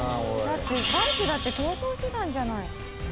だってバイクだって逃走手段じゃない。